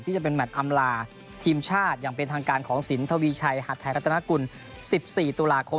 จะเป็นแมทอำลาทีมชาติอย่างเป็นทางการของสินทวีชัยหัดไทยรัฐนากุล๑๔ตุลาคม